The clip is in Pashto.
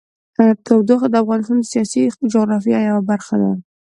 تودوخه د افغانستان د سیاسي جغرافیه یوه برخه ده.